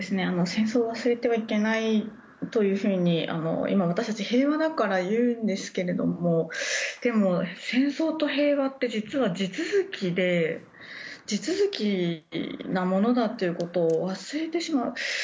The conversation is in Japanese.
戦争を忘れてはいけないというふうに今、私たち平和だから言うんですけどもでも戦争と平和って実は地続きなものだということを忘れてしまう。